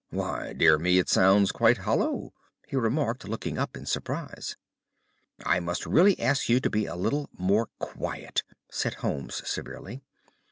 "Why, dear me, it sounds quite hollow!" he remarked, looking up in surprise. "I must really ask you to be a little more quiet!" said Holmes severely.